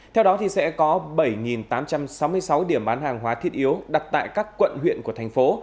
theo đó sẽ có bảy tám trăm sáu mươi sáu điểm bán hàng hóa thiết yếu đặt tại các quận huyện của thành phố